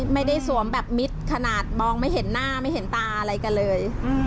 สวมแบบมิดขนาดมองไม่เห็นหน้าไม่เห็นตาอะไรกันเลย